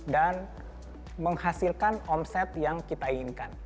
dan menghasilkan omset yang kita inginkan